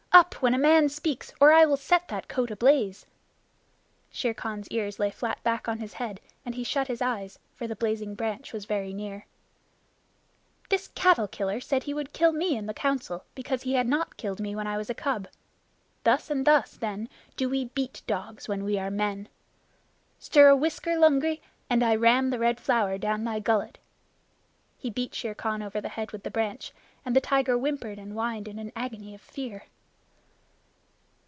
"Up, when a man speaks, or I will set that coat ablaze!" Shere Khan's ears lay flat back on his head, and he shut his eyes, for the blazing branch was very near. "This cattle killer said he would kill me in the Council because he had not killed me when I was a cub. Thus and thus, then, do we beat dogs when we are men. Stir a whisker, Lungri, and I ram the Red Flower down thy gullet!" He beat Shere Khan over the head with the branch, and the tiger whimpered and whined in an agony of fear.